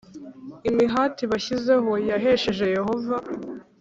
Imihati bashyizeho yahesheje Yehova